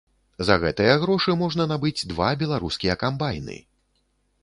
За гэтыя грошы можна набыць два беларускія камбайны!